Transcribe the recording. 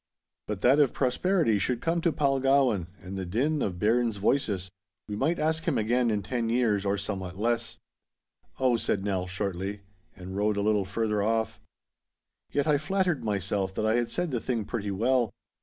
But that if prosperity should come to Palgowan and the din of bairns' voices, we might ask him again in ten years or somewhat less. 'Oh,' said Nell, shortly, and rode a little further off. Yet I flattered myself that I had said the thing pretty well.